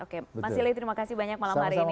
oke mas silih terima kasih banyak malam hari ini